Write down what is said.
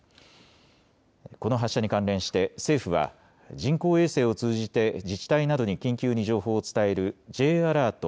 この発射に関連して政府は人工衛星を通じて自治体などに緊急に情報を伝えるＪアラート